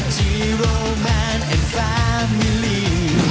จีโรแมนแอนด์แฟมิลี่